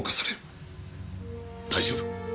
大丈夫。